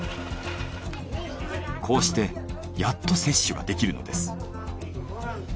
こうしてやっと接種ができるのです。